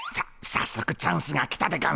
さっそくチャンスが来たでゴンス。